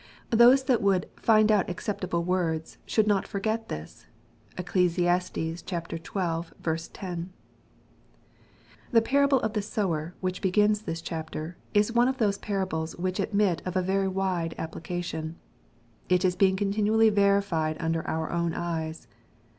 Those that would " find out ac ceptable words," should not forget this. (Eccles. xii. 10.) The parable of the sower, which begins this chapter, is one of those parables which admit of a very wide appli cation. It is being continually verified u nder our own eyes.